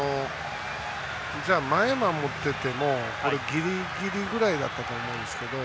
じゃあ、前を守っててもギリギリぐらいだったと思うんですけど。